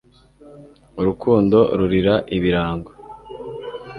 Urukundo rurira ibirango